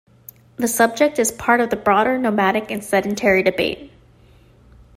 The subject is part of the broader "nomadic" and "sedentary" debate.